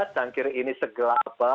tangkir ini segelap